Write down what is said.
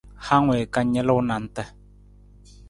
Hang wii ka nalu nanta.